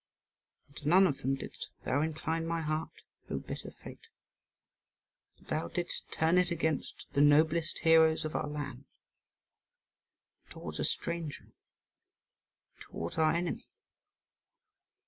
And to none of them didst thou incline my heart, O bitter fate; but thou didst turn it against the noblest heroes of our land, and towards a stranger, towards our enemy.